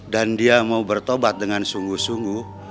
dan dia mau bertobat dengan sungguh sungguh